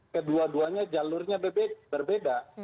kedua duanya jalurnya berbeda